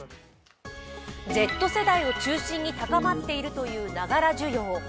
Ｚ世代を中心に高まっているというながら需要。